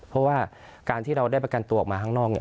เพราะว่าการที่เราได้ประกันตัวออกมาข้างนอกเนี่ย